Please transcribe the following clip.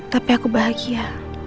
tapi aku bahagia